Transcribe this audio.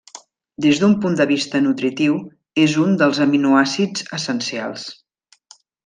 Des d'un punt de vista nutritiu és un dels aminoàcids essencials.